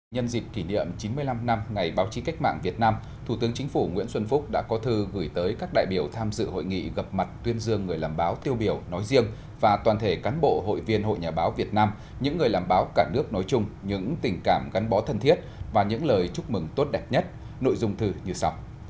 nhân dịp kỷ niệm chín mươi năm năm ngày báo chí cách mạng việt nam thủ tướng chính phủ nguyễn xuân phúc đã có thư gửi tới các đại biểu tham dự hội nghị gặp mặt tuyên dương người làm báo tiêu biểu nói riêng và toàn thể cán bộ hội viên hội nhà báo việt nam những người làm báo cả nước nói chung những tình cảm gắn bó thân thiết và những lời chúc mừng tốt đẹp nhất nội dung thư như sau